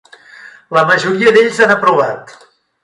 La majoria d'ells han aprovat.